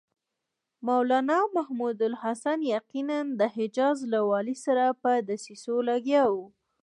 مولنا محمودالحسن یقیناً د حجاز له والي سره په دسیسو لګیا و.